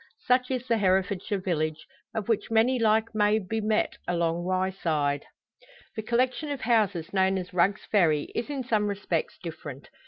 Such is the Herefordshire village, of which many like may be met along Wyeside. The collection of houses known as Rugg's Ferry is in some respects different.